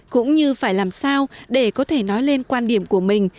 cũng như phải làm sao để có thể nói lên quan điểm của mình